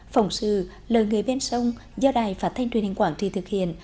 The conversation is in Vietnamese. phòng sự lời người bên sông do đài phát thanh tuyên hình quảng tri thực hiện